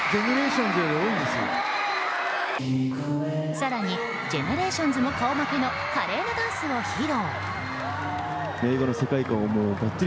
更にＧＥＮＥＲＡＴＩＯＮＳも顔負けの華麗なダンスを披露。